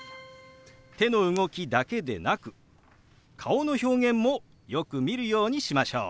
手の動きだけでなく顔の表現もよく見るようにしましょう。